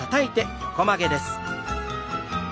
横曲げです。